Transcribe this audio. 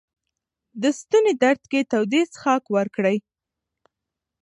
د ستوني درد کې تودې څښاک ورکړئ.